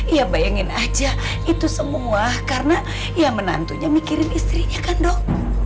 ya bayangin aja itu semua karena ya menantunya mikirin istrinya kan dong